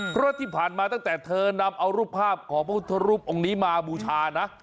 เพราะที่ผ่านมาตั้งแต่เธอนำเอารูปภาพของพระพุทธรูปองค์นี้มาบูชานะ